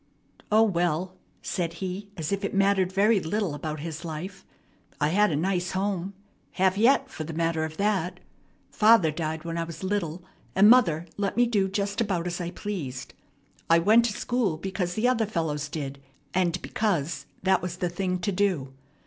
"O, well," said he as if it mattered very little about his life, "I had a nice home have yet, for the matter of that. Father died when I was little, and mother let me do just about as I pleased. I went to school because the other fellows did, and because that was the thing to do.